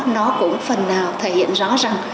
nó cũng phần nào thể hiện rõ ràng